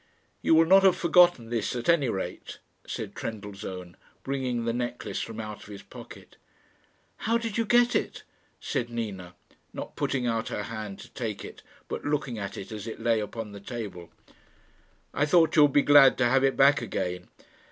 "You will not have forgotten this at any rate," said Trendellsohn, bringing the necklace from out of his pocket. "How did you get it?" said Nina, not putting out her hand to take it, but looking at it as it lay upon the table. "I thought you would be glad to have it back again."